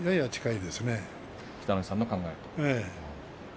北の富士さんの考えと。